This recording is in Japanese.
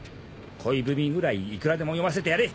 恋文ぐらいいくらでも読ませてやれ。